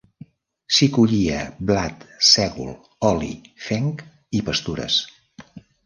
S'hi collia blat, sègol, oli, fenc i pastures.